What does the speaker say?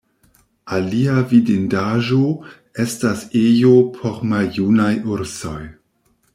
Alia vidindaĵo estas ejo por maljunaj ursoj.